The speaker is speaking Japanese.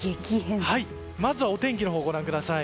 まずはお天気のほうをご覧ください。